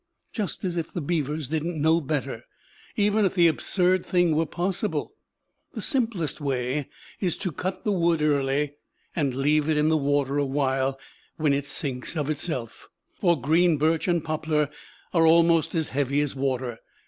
Just as if the beavers didn't know better, even if the absurd thing were possible! The simplest way is to cut the wood early and leave it in the water a while, when it sinks of itself; for green birch and poplar are almost as heavy as water.